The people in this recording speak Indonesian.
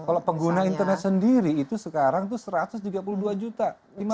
kalau pengguna internet sendiri itu sekarang itu satu ratus tiga puluh dua juta